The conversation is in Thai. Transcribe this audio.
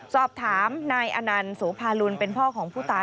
สอบถามนายอนันต์โสภาลุลเป็นพ่อของผู้ตาย